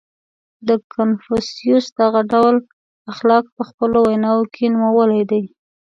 • کنفوسیوس دغه ډول اخلاق په خپلو ویناوو کې نومولي دي.